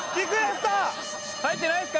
入ってないですか？